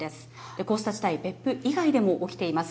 こうした事態、別府以外でも起きています。